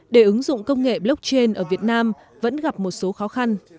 để ứng dụng công nghệ blockchain ở việt nam vẫn gặp một số khó khăn